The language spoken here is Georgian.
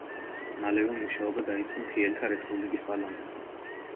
მალევე მუშაობა დაიწყო მთიელთა რესპუბლიკის პარლამენტმა.